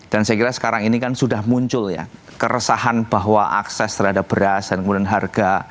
dan saya kira sekarang ini kan sudah muncul ya keresahan bahwa akses terhadap beras dan kemudian harga